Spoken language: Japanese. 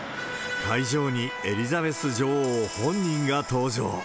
会場にエリザベス女王本人が登場。